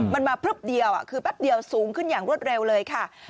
มันมาพลึบเดียวคือแป๊บเดียวสูงขึ้นอย่างรวดเร็วเลยค่ะ